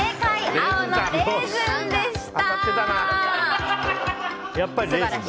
青のレーズンでした。